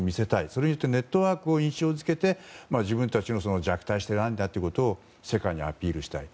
それによってネットワークを印象付けて自分たちは弱体していないんだということを世界にアピールしたい。